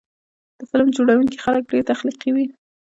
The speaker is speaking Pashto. د فلم جوړوونکي خلک ډېر تخلیقي وي.